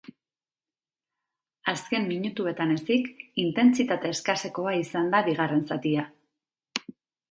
Azken minutuetan ezik intentsitate eskasekoa izan da bigarren zatia.